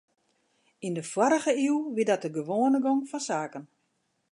Yn de foarrige iuw wie dat de gewoane gong fan saken.